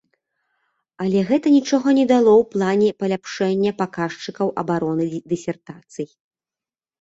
Але гэта нічога не дало ў плане паляпшэння паказчыкаў абароны дысертацый.